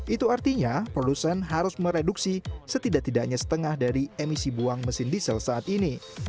itu artinya produsen harus mereduksi setidak tidaknya setengah dari emisi buang mesin diesel saat ini